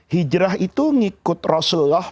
hijrah itu ngikut rasulullah